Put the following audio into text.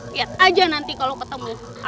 hiburkan jauh ayam warriors yang menunda